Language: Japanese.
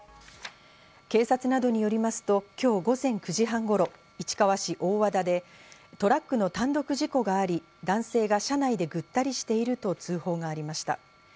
警察などによりますと今日午前９時半頃、市川市大和田でトラックの単独事故があり、男性が車内でぐったりしていると通報がありました。